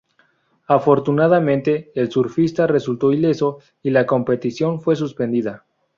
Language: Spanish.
Afortunadamente el surfista resultó ileso y la competición fue suspendida.